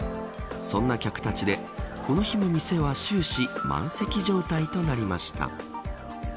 そんな客たちでこの日の店は終始満席状態となりました。